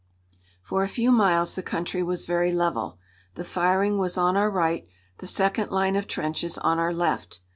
For a few miles the country was very level. The firing was on our right, the second line of trenches on our left.